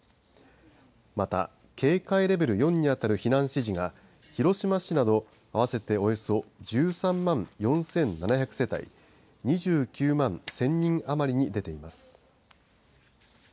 また、警戒レベル４に当たる避難指示が広島市など合わせておよそ１３万４７００世帯２９万１０００人余りに出ています。